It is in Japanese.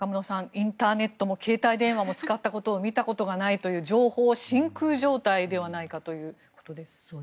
インターネットも携帯電話も使ったことを見たことがないという情報真空状態ではないかということです。